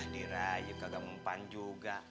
dirayu kagak mempan juga